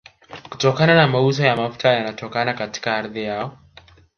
kutokana na mauzo ya mafuta yanayotoka katika ardhi yao